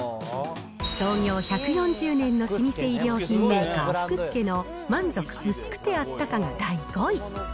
創業１４０年の老舗衣料品メーカー、福助の満足うすくてあったかが第５位。